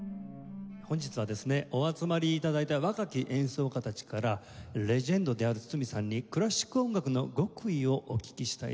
本日はですねお集まり頂いた若き演奏家たちからレジェンドである堤さんにクラシック音楽の極意をお聞きしたいと思っております。